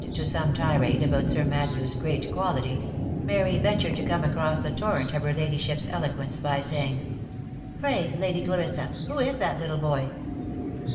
to some tirade about Sir Matthew's great qualities, Mary ventured to come across the torrent of her ladyship's eloquence by saying, " Pray, Lady Clarissa, who is that little boy?"